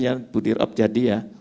ya bu dirab jadi ya